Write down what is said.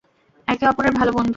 একে অপরের ভালো বন্ধু।